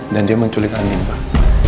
dan dia menculik andin pak